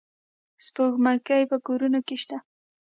سپوږمکۍ په کورونو کې شته.